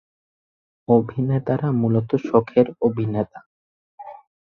অভিনেতারা মূলত শখের অভিনেতা।